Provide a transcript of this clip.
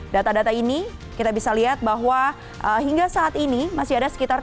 data data ini kita bisa lihat bahwa hingga saat ini masih ada sekitar